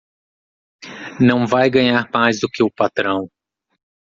Não vai ganhar mais do que o patrão